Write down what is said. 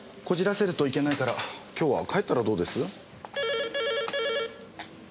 こじらせるといけないから今日は帰ったらどうです？